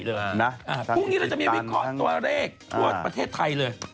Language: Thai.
พรุ่งนี้เราจะมีวิเคราะห์ตัวเลขทั่วประเทศไทยเลย